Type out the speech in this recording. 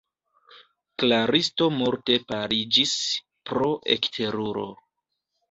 Klaristo morte paliĝis pro ekteruro.